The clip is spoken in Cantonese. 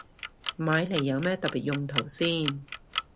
買嚟有咩特別用途先